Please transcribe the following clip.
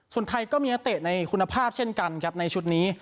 ส่วนไทยก็มีนักเตะในคุณภาพเช่นกันครับในชุดนี้